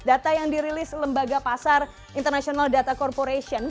data yang dirilis lembaga pasar international data corporation